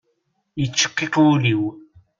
Yettceqqiq wul-iw.